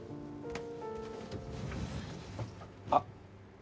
あっ。